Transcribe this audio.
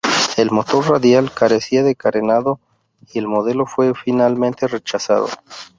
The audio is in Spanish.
El motor radial carecía de carenado, y el modelo fue finalmente rechazado.